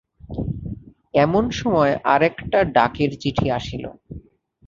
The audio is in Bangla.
এমন সময় আর-একটা ডাকের চিঠি আসিল।